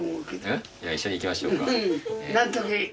いや一緒に行きましょうか。